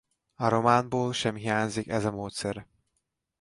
A románból sem hiányzik ez a módszer.